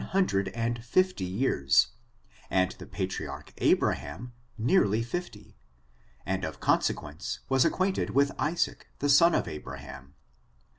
279 oM fiundred and fifty years ; and the patriarch Abra hali^ nearly fifty; and, of consequence, was acquaint ed with Isaac, the son of Abraham.